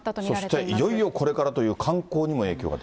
そしていよいよこれからという観光にも影響がと。